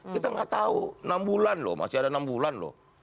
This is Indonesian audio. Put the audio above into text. kita nggak tahu enam bulan loh masih ada enam bulan loh